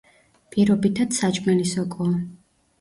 პირობითად საჭმელი სოკოა.